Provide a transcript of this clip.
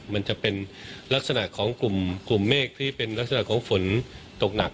มันจะเป็นลักษณะของกลุ่มเมฆที่เป็นลักษณะของฝนตกหนัก